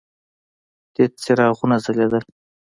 تت څراغونه ځلېدل.